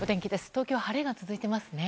東京、晴れが続いていますね。